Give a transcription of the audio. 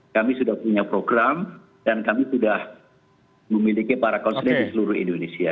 kami sudah punya program dan kami sudah memiliki para konsulen di seluruh indonesia